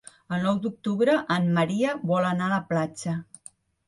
El nou d'octubre en Maria vol anar a la platja.